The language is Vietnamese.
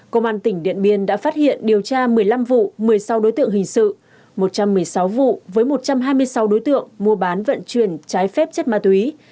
công an tỉnh điện biên đã phát hiện điều tra một mươi năm vụ một mươi sáu đối tượng hình sự một trăm một mươi sáu vụ với một trăm hai mươi sáu đối tượng mua bán vận chuyển trái phép chất ma túy